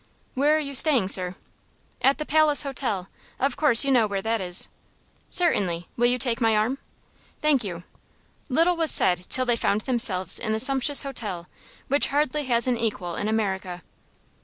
"Where are you staying, sir?" "At the Palace Hotel. Of course you know where that is?" "Certainly. Will you take my arm?" "Thank you." Little was said till they found themselves in the sumptuous hotel, which hardly has an equal in America.